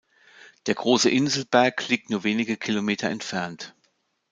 Der Große Inselsberg liegt nur wenige Kilometer entfernt.